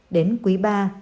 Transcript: đến quý ba